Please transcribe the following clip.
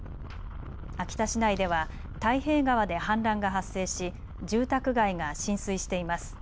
秋田市内では太平川で氾濫が発生し住宅街が浸水しています。